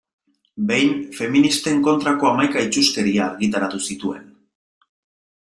Behin feministen kontrako hamaika itsuskeria argitaratu zituen.